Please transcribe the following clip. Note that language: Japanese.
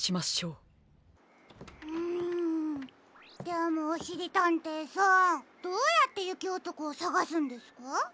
でもおしりたんていさんどうやってゆきおとこをさがすんですか？